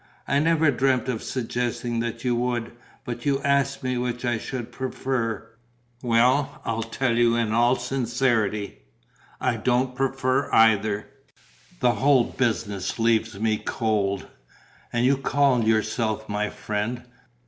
I never dreamt of suggesting that you would. But you ask me which I should prefer. Well, I tell you in all sincerity: I don't prefer either. The whole business leaves me cold." "And you call yourself my friend!"